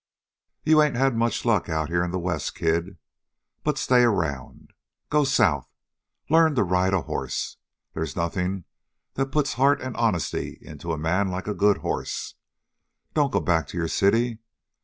"You ain't had much luck out here in the West, kid, but stay around. Go south. Learn to ride a hoss. They's nothing that puts heart and honesty in a man like a good hoss. Don't go back to your city.